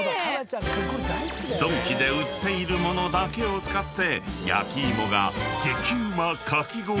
［ドンキで売っている物だけを使って焼き芋が］